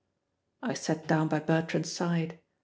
I sat down by Bertrand's side.